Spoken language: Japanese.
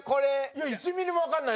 いや１ミリもわかんない。